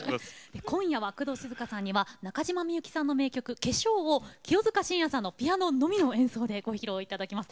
今夜は工藤静香さんには中島みゆきさんの名曲「化粧」を清塚信也さんのピアノのみの演奏でご披露頂きます。